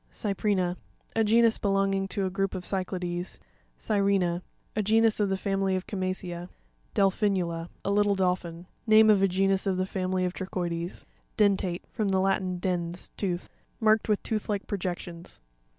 Cypri'na.— A genus belonging to a group of Cy'clades. Cyre'na.—A genus of the family of Chama'cea. Devrui'nuta.—Latin. A little dol phin. Name of a genus of the family of Trochoides. Den'rateE.— From the Latin, dens, tooth. Marked with tooth like projections.